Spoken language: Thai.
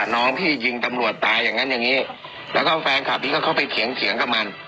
น้องที่ยิงตำรวจตายอย่างนั้นอย่างนี้แล้วก็แฟนคลับนี้ก็เข้าไปเถียงกับมัน